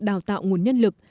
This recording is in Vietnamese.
đào tạo nguồn nhân lực